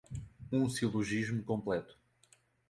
um silogismo completo